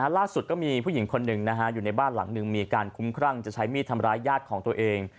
ล่าสุดก็มีผู้หญิงคนหนึ่งอยู่ในบ้านหลังหนึ่งมีการคุ้มครั่งจะใช้มีดทำร้ายญาติของตัวเอง